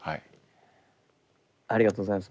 ありがとうございます。